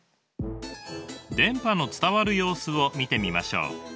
電波の伝わる様子を見てみましょう。